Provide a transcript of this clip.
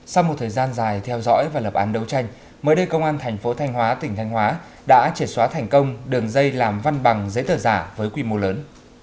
sau một thời gian dài theo dõi và lập án đấu tranh mới đây công an thành phố thanh hóa tỉnh thanh hóa đã triệt xóa thành công đường dây làm văn bằng giấy tờ giả với quy mô lớn